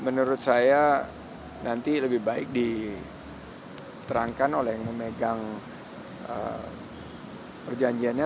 menurut saya nanti lebih baik diterangkan oleh yang memegang perjanjiannya